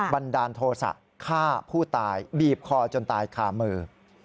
บันดาลโทษะฆ่าผู้ตายบีบคอจนตายคามือ